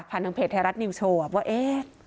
ผ่านทางเพจไทยรัฐนิวโชว์อ่ะว่าเอ๊ะ